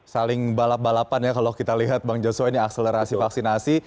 saling balap balapan ya kalau kita lihat bang josho ini akselerasi vaksinasi